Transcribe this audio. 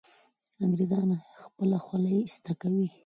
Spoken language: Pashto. انګریزان خپله خولۍ ایسته کوي.